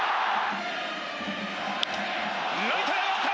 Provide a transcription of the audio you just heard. ライトへ上がった！